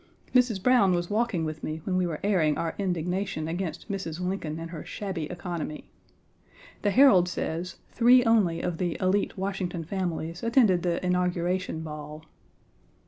Mrs. Browne was walking with me when we were airing our indignation against Mrs. Lincoln and her shabby economy. The Herald says three only of the élite Washington families attended the Inauguration Ball.